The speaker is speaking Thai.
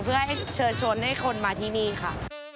เพื่อให้เชิญชวนให้คนมาที่นี่ค่ะ